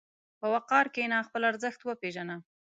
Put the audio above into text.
په وقار کښېنه، خپل ارزښت وپېژنه.